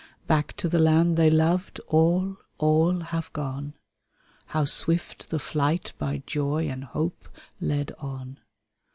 Back to the land they loved, all, all, have gone, How swift the flight by joy and hope led on.